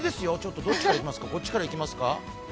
こっちからいきますか。